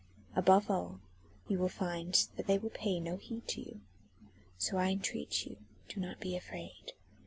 Above all you will find that they will pay no heed to you. So I entreat you do not be afraid.